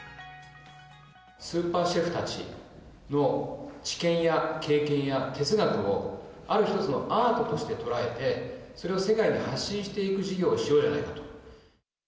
スーパーシェフたちの知見や経験や哲学を、ある一つのアートとして捉えて、それを世界に発信していく事業をしようじゃないかと。